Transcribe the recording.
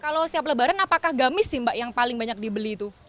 kalau setiap lebaran apakah gamis sih mbak yang paling banyak dibeli itu